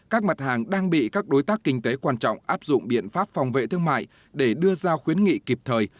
các mặt hàng đang bị các đối tác kinh tế quan trọng áp dụng biện pháp phòng vệ thương mại để đưa ra khuyến nghị kịp thời